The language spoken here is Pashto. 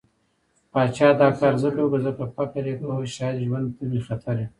پاچا دا کار ځکه وکړ، ځکه فکر يې کوه شايد ژوند ته مې خطر وي.